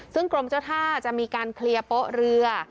ซึ่งกรมเจ้าท่าจะมีการเคลียร์โป๊ะเรือ